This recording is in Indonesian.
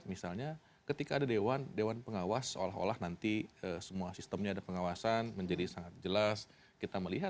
ini kan tidak